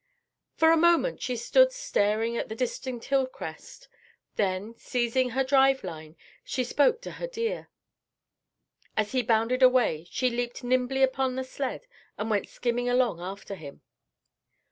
For a moment she stood staring at the distant hillcrest. Then, seizing her drive line, she spoke to her deer. As he bounded away she leaped nimbly upon the sled and went skimming along after him.